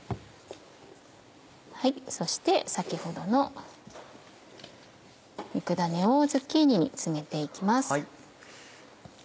そして先ほどの肉ダネをズッキーニに詰めて行きます。